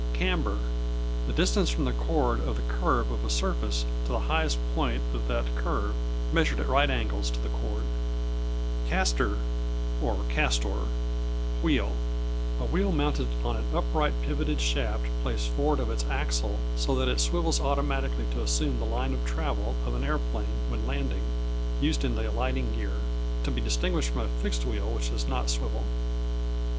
C Camber The distance from the chord of the curve of a surface to the highest point of that curve, measured at right angles to the chord. Caster, or Castor, Wheel A wheel mounted on an upright pivoted shaft placed forward of its axle, so that it swivels automatically to assume the line of travel of an aeroplane when landing: used in the alighting gear. To be distinguished from a fixed wheel, which does not swivel.